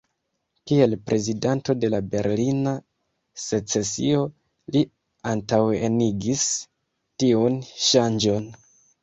Kiel prezidanto de la Berlina secesio li antaŭenigis tiun ŝanĝon.